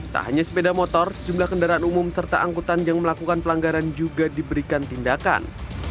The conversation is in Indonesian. tak hanya sepeda motor jumlah kendaraan umum serta angkutan yang melakukan pelanggaran juga diberikan tindakan